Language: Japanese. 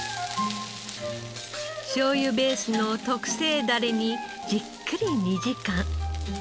しょうゆベースの特製ダレにじっくり２時間。